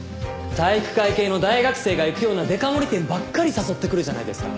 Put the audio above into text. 体育会系の大学生が行くようなデカ盛り店ばっかり誘ってくるじゃないですか。